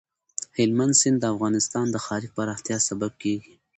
هلمند سیند د افغانستان د ښاري پراختیا سبب کېږي.